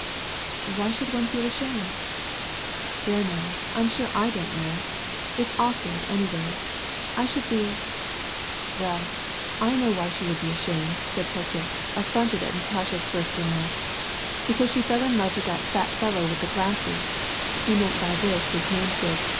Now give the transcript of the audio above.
"Why should one feel ashamed ?" "There now, I'm sure I don't know. It's awkward, anyway. I should be "—" Well, I know why she would be ashamed," said Petya, af fronted at Natasha's first remark :" Because she fell in love with that fat fellow with the glasses (he meant by this his namesake.